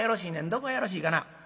どこがよろしいかな。